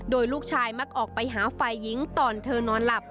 โดยลูกชายมักออกไปหาฝ่ายหญิงตอนเธอนอนหลับ